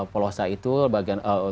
pelosta itu bagian